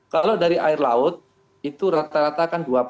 kalau dari air laut itu rata ratakan dua